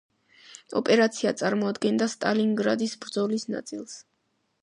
ოპერაცია წარმოადგენდა სტალინგრადის ბრძოლის ნაწილს.